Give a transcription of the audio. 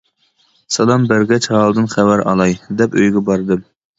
سالام بەرگەچ ھالىدىن خەۋەر ئالاي، دەپ ئۆيىگە باردىم.